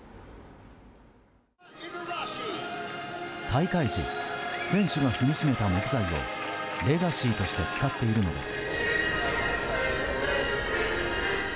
大会時選手が踏みしめた木材をレガシーとして使っているのです。